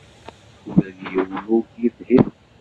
Ula d yiwen ur k-yefhim.